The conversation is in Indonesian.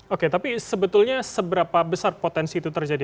oke tapi sebetulnya seberapa besar potensi itu terjadi